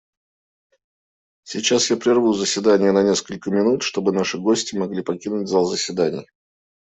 Сейчас я прерву заседание на несколько минут, чтобы наши гости могли покинуть зал заседаний.